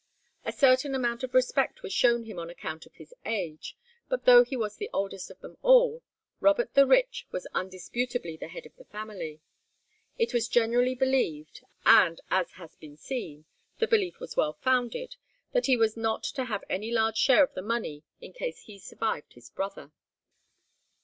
A certain amount of respect was shown him on account of his age, but though he was the oldest of them all, Robert the Rich was undisputedly the head of the family. It was generally believed, and, as has been seen, the belief was well founded, that he was not to have any large share of the money in case he survived his brother.